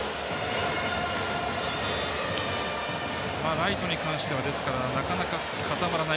ライトに関してはなかなか固まらない。